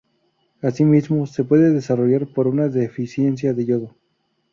Asimismo, se puede desarrollar por una deficiencia de yodo.